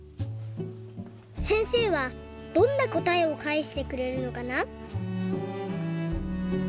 せんせいはどんなこたえをかえしてくれるのかな？